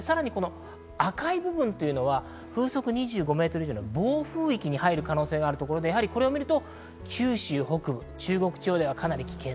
赤い部分というのは風速２５メートル以上の暴風域に入る可能性があるところで、九州北部、中国地方ではかなり危険。